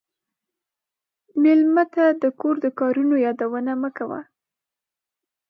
مېلمه ته د کور د کارونو یادونه مه کوه.